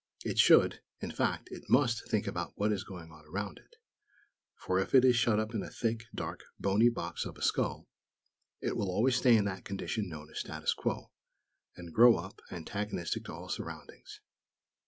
It should, in fact, it must think about what is going on around it; for, if it is shut up in a thick, dark, bony box of a skull, it will always stay in that condition known as "status quo;" and grow up, antagonistic to all surroundings.